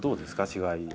違い。